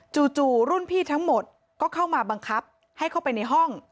จู่รุ่นพี่ทั้งหมดก็เข้ามาบังคับให้เข้าไปในห้อง